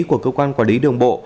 của cơ quan quản lý đồng bộ